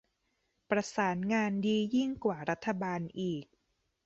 ประสานงานดียิ่งกว่ารัฐบาลอีก